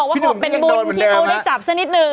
พี่หนุ่มบอกว่าออกเป็นบุญที่เขาเลยจับซะนิดหนึ่ง